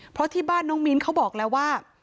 เพราะที่บ้านน้องมิ้นเขาบอกแล้วว่า